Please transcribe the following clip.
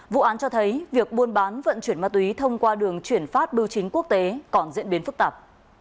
vụ án cho thấy việc buôn bán vận chuyển ma túy thông qua đường chuyển phát bưu chính quốc tế còn diễn biến phức tạp